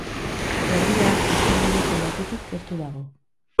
Herria, izen bereko lakutik gertu dago.